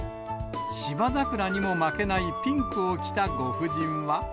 シバザクラにも負けないピンクを着たご婦人は。